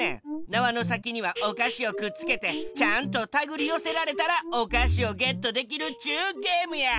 なわのさきにはおかしをくっつけてちゃんとたぐりよせられたらおかしをゲットできるっちゅうゲームや。